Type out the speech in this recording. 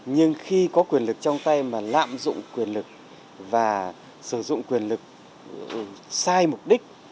nhưng khi có quyền lực trong tay mà lạm dụng quyền lực và sử dụng quyền lực sai mục đích